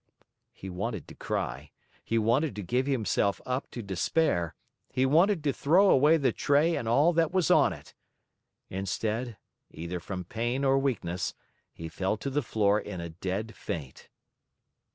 He wanted to cry, he wanted to give himself up to despair, he wanted to throw away the tray and all that was on it. Instead, either from pain or weakness, he fell to the floor in a dead faint.